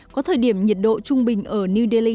có thời điểm nhiệt độ trung bình ở new delhi